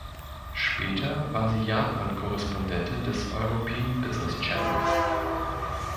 Später war sie Japan-Korrespondentin des „European Business Channel“.